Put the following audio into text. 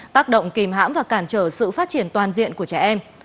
tác động kìm hãm và cản trở sự phát triển toàn diện của trẻ em